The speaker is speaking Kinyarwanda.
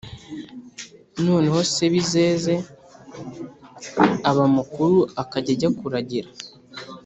Noneho Sebizeze aba mukuru akajya ajya kuragira